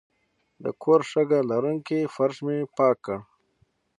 د کور شګه لرونکی فرش مې پاک کړ.